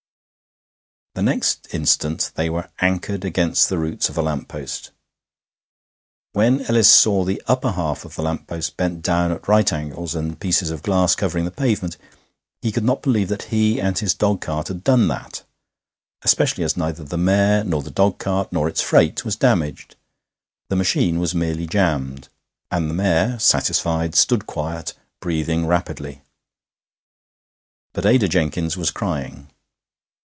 The next instant they were anchored against the roots of a lamp post. When Ellis saw the upper half of the lamp post bent down at right angles, and pieces of glass covering the pavement, he could not believe that he and his dogcart had done that, especially as neither the mare, nor the dogcart, nor its freight, was damaged. The machine was merely jammed, and the mare, satisfied, stood quiet, breathing rapidly. But Ada Jenkins was crying.